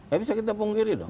gak bisa kita pungkiri dong